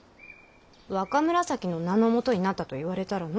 若紫の名のもとになったと言われたらの。